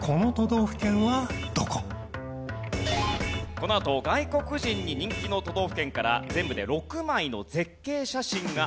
このあと外国人に人気の都道府県から全部で６枚の絶景写真が出ます。